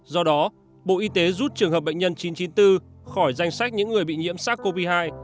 do đó bộ y tế rút trường hợp bệnh nhân chín trăm chín mươi bốn khỏi danh sách những người bị nhiễm sars cov hai